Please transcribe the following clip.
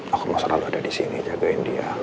aku mau selalu ada disini jagain dia